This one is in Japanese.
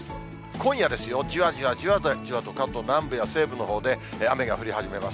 今夜ですよ、じわじわじわじわと関東南部や西部のほうで雨が降り始めます。